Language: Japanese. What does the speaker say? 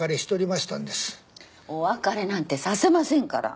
お別れなんてさせませんから。